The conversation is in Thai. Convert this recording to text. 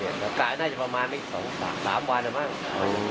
แต่น่าจะประมาณไม่สองสามวันอะบ้าง